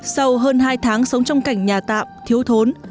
sau hơn hai tháng sống trong cảnh nhà tạm thiếu thốn